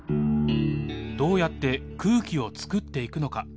どうやって空気をつくっていくのか。